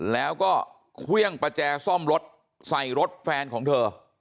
แล้วก็เครื่องประแจซ่อมรถใส่รถแฟนของเธอ